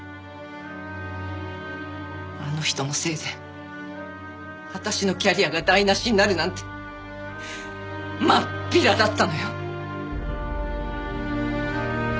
あの人のせいで私のキャリアが台なしになるなんて真っ平だったのよ！